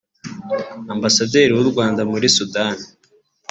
Ambasaderi w’u Rwanda muri Suède